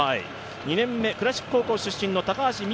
２年目、倉敷高校出身の高橋実